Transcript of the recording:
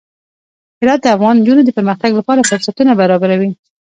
هرات د افغان نجونو د پرمختګ لپاره فرصتونه برابروي.